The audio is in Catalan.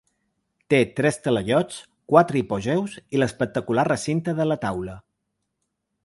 Té tres talaiots, quatre hipogeus i l’espectacular recinte de la taula.